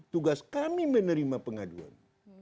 tugas kami menerima pengaduan